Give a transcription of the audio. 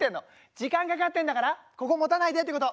時間かかってんだからここ持たないでってこと。